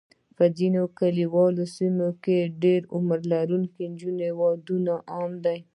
په ځینو کلیوالي سیمو کې د کم عمره نجونو ودونه عام دي.